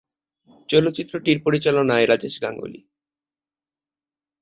চলচ্চিত্রটির পরিচালক রাজেশ গাঙ্গুলি।